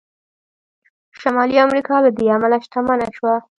شمالي امریکا له دې امله شتمنه شوه.